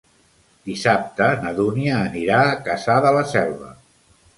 Dissabte na Dúnia anirà a Cassà de la Selva.